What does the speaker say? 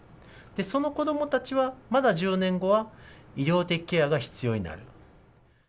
その子どもたちは、まだ１０年後は医療的ケアが必要になる。